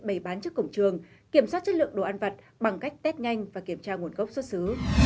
bày bán trước cổng trường kiểm soát chất lượng đồ ăn vặt bằng cách test nhanh và kiểm tra nguồn gốc xuất xứ